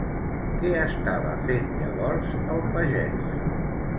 Què estava fent llavors el pagès?